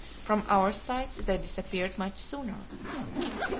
From our sight they disappeared much sooner.